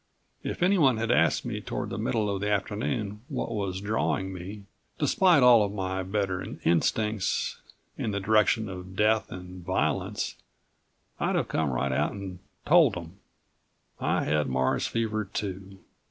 If anyone had asked me toward the middle of the afternoon what was drawing me, despite all of my better instincts, in the direction of death and violence I'd have come right out and told him. I had Mars fever too.